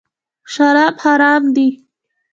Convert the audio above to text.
شراب حرام دي .